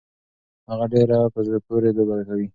هغه ډيره په زړه پورې لوبه کوي.